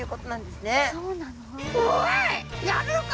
「おいやるのか！？」。